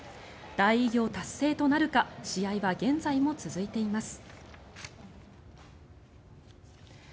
大偉業達成となるか試合は現在も続いています。